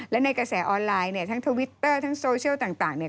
และในกระแสออนไลน์เนี่ยทั้งทวิตเตอร์ทั้งโซเชียลต่างเนี่ย